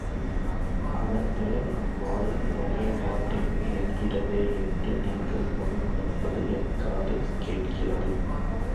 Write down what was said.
அதன் பெயர் நம் வாயில் நுழையமாட்டேன் என்கிறதே என்று நீங்கள் முணுமுணுப்பது என் காதில் கேட்கிறது.